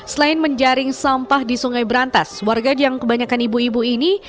selain menjaring sampah di sungai berantas warga yang kebanyakan ibu ibu ini